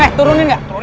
eh turunin gak